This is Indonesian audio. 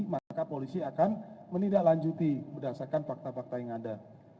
maka polisi akan menindaklanjuti berdasarkan fakta fakta yang ada